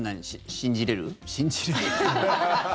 信じれる？